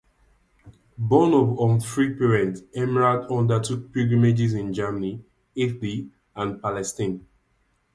Born of unfree parents, Heimerad undertook pilgrimages in Germany, Italy and Palestine.